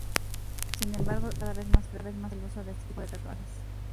Sin embargo, es cada vez más frecuente el uso de este tipo de tatuajes.